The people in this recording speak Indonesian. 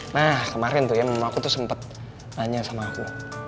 nah kemarin tuh ya mama aku tuh sempet nanya sama aku